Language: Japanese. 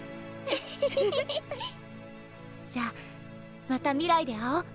じゃあまた未来で会おう！